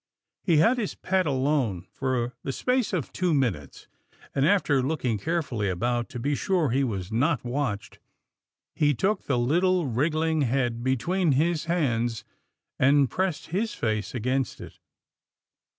He had his pet alone for the space of two minutes, and, after looking carefully about to be sure he was not watched, he took the little wriggling head between his hands, and pressed his face against it.